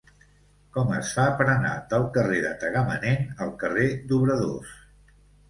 Com es fa per anar del carrer de Tagamanent al carrer d'Obradors?